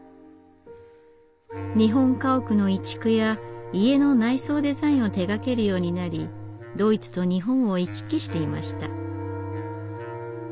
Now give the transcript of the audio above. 日本家屋の移築や家の内装デザインを手がけるようになりドイツと日本を行き来していました。